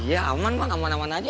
iya aman bang aman aman aja